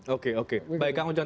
oke oke baik kang ujang